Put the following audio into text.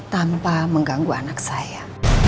tanpa mengganggu anak saya